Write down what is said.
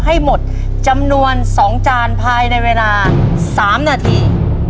ให้หมดจำนวน๒จานภายในเวลา๓นาที